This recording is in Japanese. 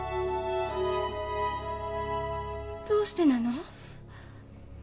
どうしてなの？